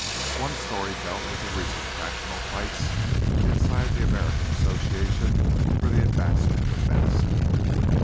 One story dealt with the recent factional fights inside the American Association for the Advancement of Medicine.